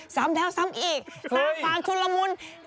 ซ้ำแท้วซ้ำอีกซ้ำฟางคุณละมุน